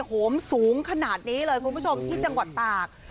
โถมสูงขนาดนี้เลยที่จังวดต่าง